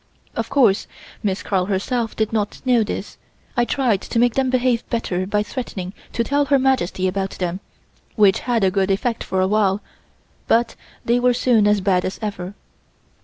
Of course Miss Carl herself did not know this. I tried to make them behave better by threatening to tell Her Majesty about them, which had a good effect for a while, but they were soon as bad as ever.